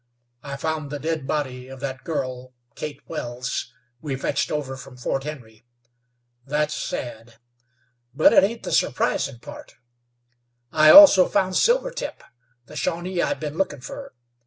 I found the dead body of that girl, Kate Wells, we fetched over from Fort Henry. Thet's sad, but it ain't the surprisin' part. I also found Silvertip, the Shawnee I've been lookin' fer.